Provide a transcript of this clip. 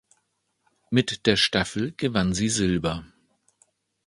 Mit der Staffel gewann sie Silber.